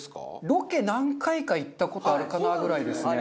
ロケ何回か行った事あるかなぐらいですね。